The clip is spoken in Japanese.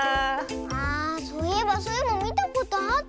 ああそういえばスイもみたことあった。